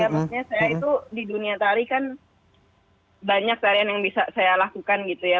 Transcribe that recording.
maksudnya saya itu di dunia tari kan banyak tarian yang bisa saya lakukan gitu ya